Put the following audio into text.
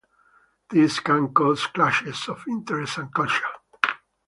This can cause clashes of interest and culture.